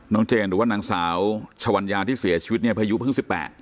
เจนหรือว่านางสาวชวัญญาที่เสียชีวิตเนี่ยพายุเพิ่ง๑๘